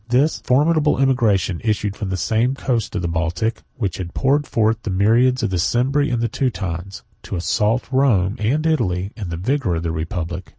This formidable emigration issued from the same coast of the Baltic, which had poured forth the myriads of the Cimbri and Teutones, to assault Rome and Italy in the vigor of the republic.